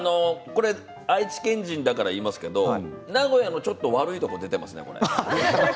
愛知県人だから言いますけど、名古屋のちょっと悪いところ出ていますよね、これ。